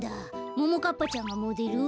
ももかっぱちゃんがモデル？